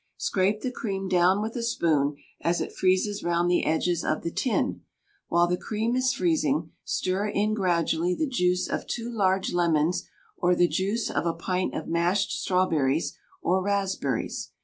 Scrape the cream down with a spoon as it freezes round the edges of the tin. While the cream is freezing, stir in gradually the juice of two large lemons or the juice of a pint of mashed strawberries or raspberries.